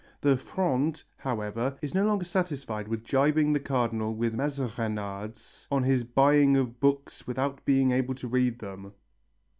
The Fronde, however, is no longer satisfied with gibing the Cardinal with mazarinades on his buying of books without being able to read them.